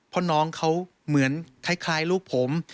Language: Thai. เพราะน้องเขาเหมือนคล้ายลูกผม